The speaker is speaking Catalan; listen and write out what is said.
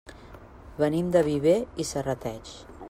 Venim de Viver i Serrateix.